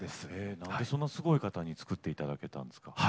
何でそんなすごい方に作っていただけたんですか？